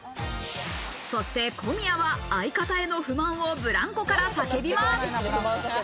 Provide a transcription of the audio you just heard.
そして小宮は、相方への不満をブランコから叫びます。